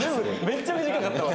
めっちゃ短かった俺。